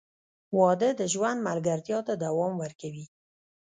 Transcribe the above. • واده د ژوند ملګرتیا ته دوام ورکوي.